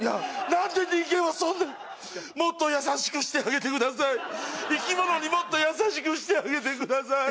何で人間はそんなもっと優しくしてあげてください生き物にもっと優しくしてあげてください